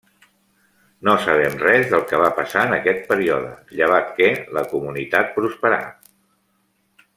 No sabem res del que passà en aquest període, llevat que la comunitat prosperà.